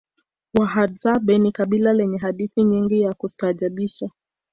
wahadzabe ni kabila lenye hadithi nyingi za kustaajabisha